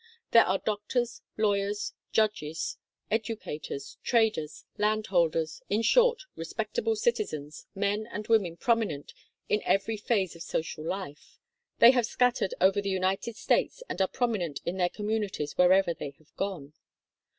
There are doctors, lawyers, judges, educa tors, traders, landholders, in short, respectable citizens, men and women prominent in every phase of social life. They have scattered over the United States and are prominent in their communities wherever they have gone.